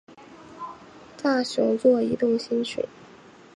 大熊座移动星群